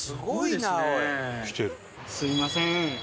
すいません。